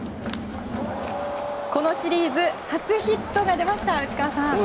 このシリーズ初ヒットが出ました、内川さん。